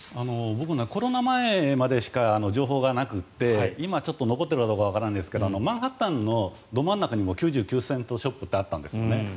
僕、コロナ前までしか情報がなくて今、ちょっと残っているかどうかわかりませんがマンハッタンのど真ん中に９９セントショップってあったんですよね。